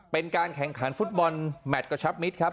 เป็นการแข่งขันฟุตบอลแมทกระชับมิตรครับ